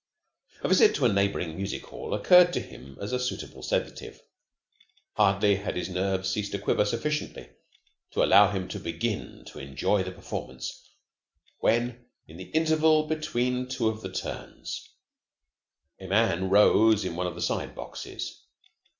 A visit to a neighboring music hall occurred to him as a suitable sedative. Hardly had his nerves ceased to quiver sufficiently to allow him to begin to enjoy the performance, when, in the interval between two of the turns, a man rose in one of the side boxes.